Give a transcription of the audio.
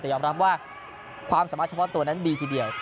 แต่ยอมรับว่าความสามารถเฉพาะตัวนั้นดีทีเดียว